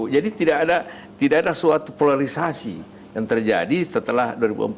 jadi tidak ada suatu polarisasi yang terjadi setelah dua ribu empat belas